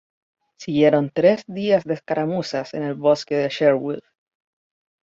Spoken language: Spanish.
Siguieron tres días de escaramuzas en el bosque de Sherwood.